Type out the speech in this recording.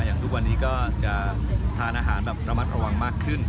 อย่างทุกวันนี้ก็จะทานอาหารแบบระมัดระวังมากขึ้น